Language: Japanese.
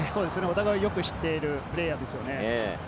お互い、よく知ってるプレーヤーですよね。